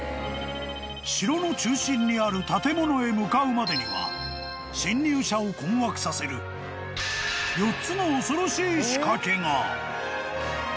［城の中心にある建物へ向かうまでには侵入者を困惑させる４つの恐ろしい仕掛けが］